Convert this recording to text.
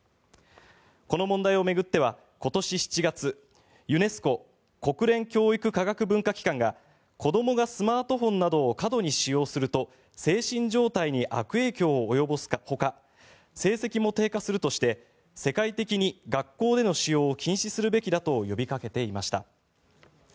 この問題を巡っては、今年７月ユネスコ・国連教育科学文化機関が子どもがスマートフォンなどを過度に使用すると精神状態に悪影響を及ぼすほか成績も低下するとして世界的に学校での使用を禁止するべきだと呼びかけていました。